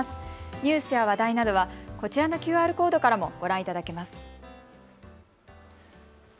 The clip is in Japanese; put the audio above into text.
ニュースや話題などはこちらのＱＲコードからもご覧いただけます。